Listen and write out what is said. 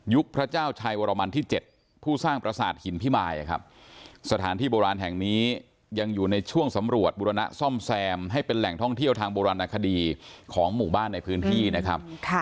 พระเจ้าชัยวรมันที่๗ผู้สร้างประสาทหินพิมายครับสถานที่โบราณแห่งนี้ยังอยู่ในช่วงสำรวจบุรณะซ่อมแซมให้เป็นแหล่งท่องเที่ยวทางโบราณคดีของหมู่บ้านในพื้นที่นะครับ